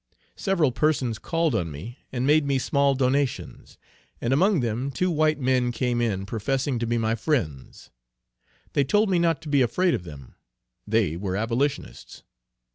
Several persons called on me and made me small donations, and among them two white men came in professing to be my friends. They told me not to be afraid of them, they were abolitionists.